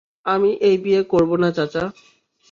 আমি এই বিয়ে করবো না, চাচা।